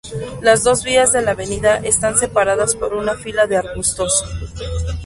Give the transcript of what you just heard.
Las dos vías de la avenida están separadas por una fila de arbustos.